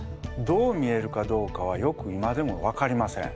どう見えるかどうかはよく今でもわかりません。